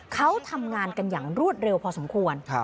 เขาทำงานกันอย่างรวดเร็วพอสมควร